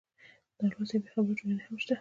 نالوستې او بېخبره ټولنې هم شته.